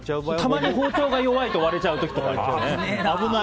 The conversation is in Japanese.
たまに包丁が弱いと割れちゃう時ありますよね。